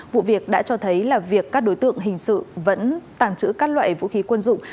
vụ việc đã cho thấy là việc các đối tượng hình sự vẫn tàng trữ các loại vũ khí quân dụng